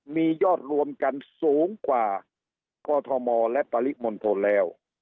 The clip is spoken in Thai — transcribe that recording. มียอดรวมกันสูงกว่ากอทมและปริมณฑลแล้ว